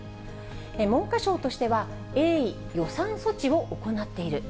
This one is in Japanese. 文科省としては、鋭意、予算措置を行っている。